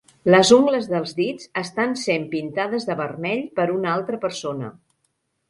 Les ungles dels dits estan sent pintades de vermell per una altra persona.